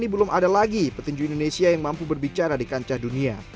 belum ada lagi petinju indonesia yang mampu berbicara di kancah dunia